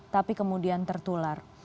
tapi kemudian tertular